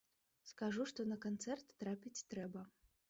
Скажу, што на канцэрт трапіць трэба!